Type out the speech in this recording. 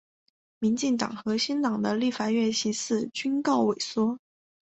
民进党和新党的立法院席次均告萎缩。